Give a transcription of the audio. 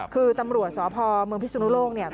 คือตำรวจสอพมพิศุนโลกเนี่ย